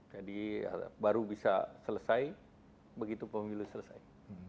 jadi baru bisa selesai begitu pemilih selesai